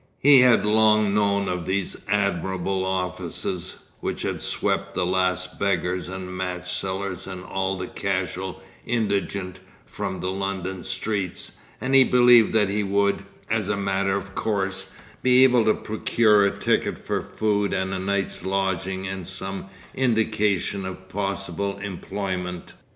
He had long known of these admirable offices, which had swept the last beggars and matchsellers and all the casual indigent from the London streets, and he believed that he would, as a matter of course, be able to procure a ticket for food and a night's lodgings and some indication of possible employment.